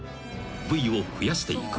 ［部位を増やしていく］